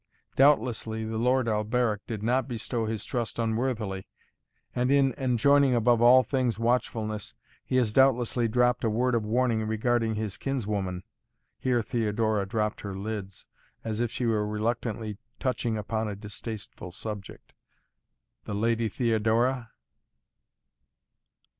Doubtlessly, the Lord Alberic did not bestow his trust unworthily. And, in enjoining above all things watchfulness he has doubtlessly dropped a word of warning regarding his kinswoman," here Theodora dropped her lids, as if she were reluctantly touching upon a distasteful subject, "the Lady Theodora?"